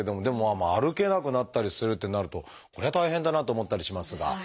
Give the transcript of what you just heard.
でも歩けなくなったりするってなるとこれは大変だなと思ったりしますが。